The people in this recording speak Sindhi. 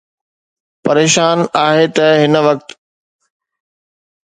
پريشان آهي ته هن وقت